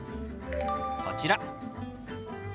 こちら。